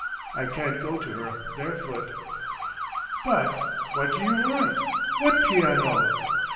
I can't go to her barefoot." "But what do you want? What piano?"